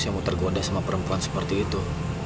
saya mau tergoda sama perempuan seperti itu